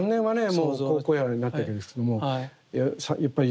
もう好々爺になっていくんですけどもやっぱり